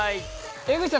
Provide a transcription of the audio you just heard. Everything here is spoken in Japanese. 江口さん